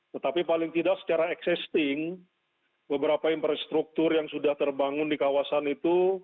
tetapi paling tidak secara existing beberapa infrastruktur yang sudah terbangun di kawasan itu